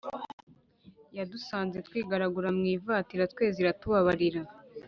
yadusanze twigaragura mwivata iratweza iratubabarira